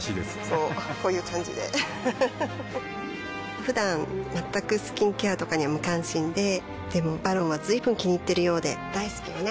こうこういう感じでうふふふだん全くスキンケアとかに無関心ででも「ＶＡＲＯＮ」は随分気にいっているようで大好きよね